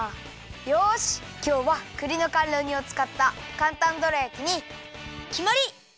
よしきょうはくりのかんろ煮をつかったかんたんどら焼きにきまり！